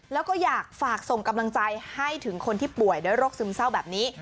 แล้วก็อยากฝากส่งกำลังใจให้ถึงคนที่ป่วยด้วยโรคซึมเศร้าแบบนี้